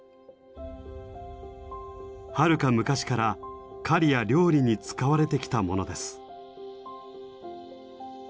はるか昔から狩りや料理に使われてきたものです。